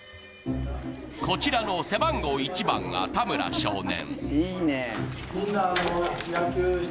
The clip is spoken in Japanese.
こちらの背番号１番が田村少年。